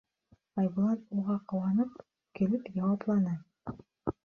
Айбулат уға ҡыуанып, көлөп яуапланы: